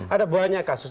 ada banyak kasus